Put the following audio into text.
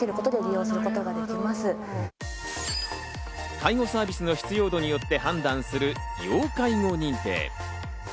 介護サービスの必要度によって判断する要介護認定。